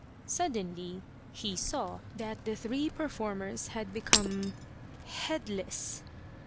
Suddenly he saw that the three performers had become headless!